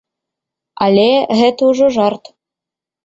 Але гэта ўжо жарт.